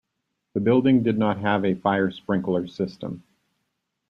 The building did not have a fire sprinkler system.